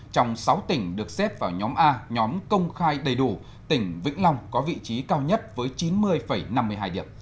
trong sáu tỉnh được xếp vào nhóm a nhóm công khai đầy đủ tỉnh vĩnh long có vị trí cao nhất với chín mươi năm mươi hai điểm